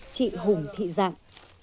chị hùng thị giạng